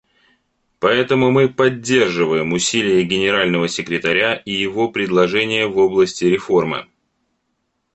Поэтому мы поддерживаем усилия Генерального секретаря и его предложения в области реформы.